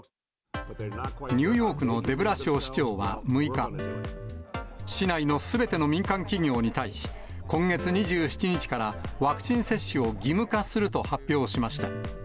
ニューヨークのデブラシオ市長は６日、市内のすべての民間企業に対し、今月２７日からワクチン接種を義務化すると発表しました。